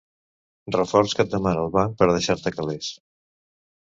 Reforç que et demana el banc per deixar-te calés.